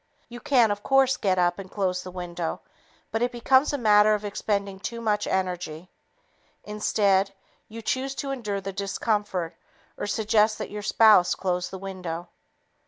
You can, of course, get up and close the window, but it becomes a matter of expending too much energy. Instead, you choose to endure the discomfort or suggest that your spouse close the window.